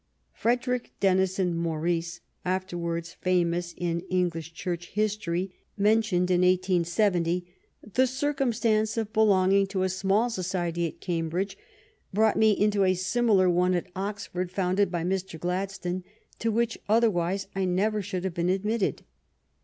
Frederick Denison Maurice, afterwards famous in English Church history, mentioned in 1870 22 THE STORY OF GLADSTONE'S LIFE that "the circumsiancc of belonging to a small society at Cambridge brought me into a similar one at Oxford, founded by Mr. Gladstone, to which otherwise I ne\'er should have been ad mitted."